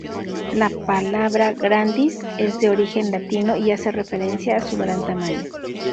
La palabra "grandis" es de origen latino y hace referencia a su gran tamaño.